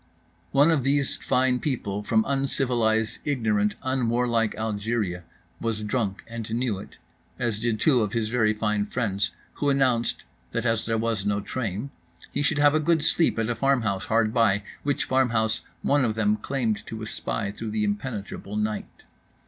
… One of these fine people from uncivilized, ignorant, unwarlike Algeria was drunk and knew it, as did two of his very fine friends who announced that as there was no train he should have a good sleep at a farmhouse hard by, which farmhouse one of them claimed to espy through the impenetrable night.